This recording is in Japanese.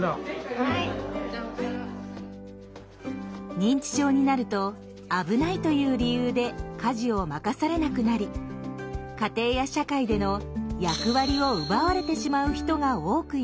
認知症になると「危ない」という理由で家事を任されなくなり家庭や社会での役割を奪われてしまう人が多くいます。